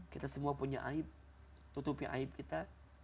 kita semua punya aib tutupi aib kita